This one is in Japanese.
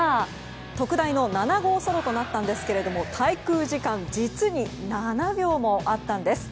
特大の７号ソロとなったんですが滞空時間実に７秒もあったんです。